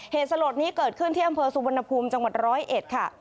เหตุสลดนี้เกิดขึ้นที่อำเภอสุวรรณภูมิจังหวัดร้อยเอ็ดค่ะ